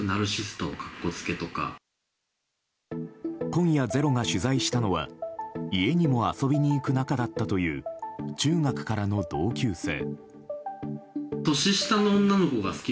今夜「ｚｅｒｏ」が取材したのは家にも遊びに行く仲だったという中学からの同級生。